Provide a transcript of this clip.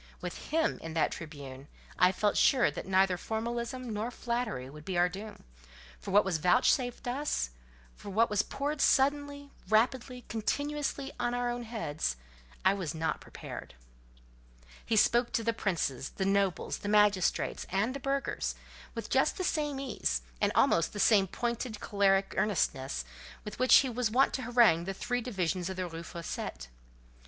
With him in that Tribune, I felt sure that neither formalism nor flattery would be our doom; but for what was vouchsafed us, for what was poured suddenly, rapidly, continuously, on our heads—I own I was not prepared. He spoke to the princes, the nobles, the magistrates, and the burghers, with just the same ease, with almost the same pointed, choleric earnestness, with which he was wont to harangue the three divisions of the Rue Fossette.